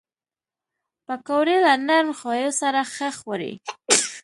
پکورې له نرم خویو سره ښه خوري